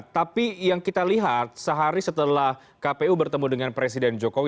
tapi yang kita lihat sehari setelah kpu bertemu dengan presiden jokowi